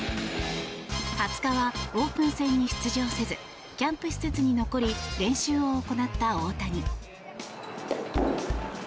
２０日はオープン戦に出場せずキャンプ施設に残り練習を行った大谷。